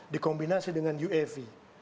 dikombinasi dengan uav